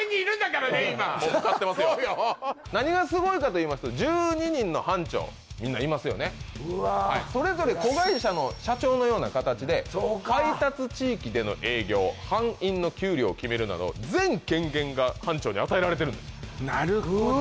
何がすごいかといいますと１２人の班長みんないますよねそれぞれ子会社の社長のような形で配達地域での営業班員の給料を決めるなど全権限が班長に与えられてるんです